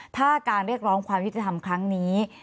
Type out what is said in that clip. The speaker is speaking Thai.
ถ้าการเรียกร้องความยุติธรรมครั้งนี้